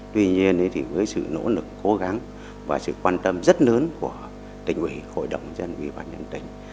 tuy nhiên với sự nỗ lực cố gắng và sự quan tâm rất lớn của tỉnh ủy hội đồng dân vì bản nhân tính